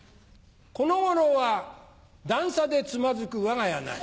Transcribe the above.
この頃は段差でつまずく我が家なり。